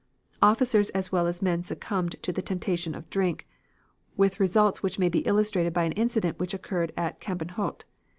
Officers as well as men succumbed to the temptation of drink, with results which may be illustrated by an incident which occurred at Campenhout.